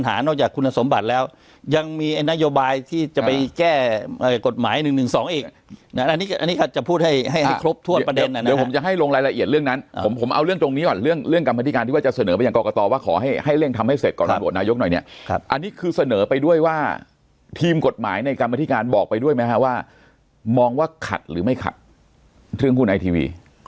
ให้ให้ครบทั่วประเด็นน่ะนะฮะเดี๋ยวผมจะให้ลงรายละเอียดเรื่องนั้นอ่าผมผมเอาเรื่องตรงนี้อ่ะเรื่องเรื่องกรรมพิธีการที่ว่าจะเสนอไปอย่างกอกกะตอว่าขอให้ให้เรื่องทำให้เสร็จก่อนอ่ะบทนายกหน่อยเนี้ยครับอันนี้คือเสนอไปด้วยว่าทีมกฎหมายในกรรมพิธีการบอกไปด้วยมั้ยฮะว่ามองว่าขัดหรือไม่ขัดเรื่องคุณไอ